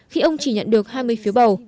khi ông chỉ nhận được hai mươi phiếu bầu